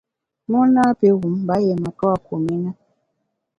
Mon napi wum mba yié matua kum i na.